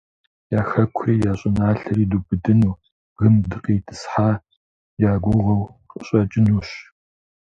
Я хэкури, я щӀыналъэри дубыдыну бгым дыкъитӀысхьа я гугъэу къыщӀэкӀынущ.